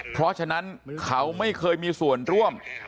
เพราะฉะนั้นเขาไม่เคยมีส่วนร่วม